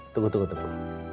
tunggu tunggu tunggu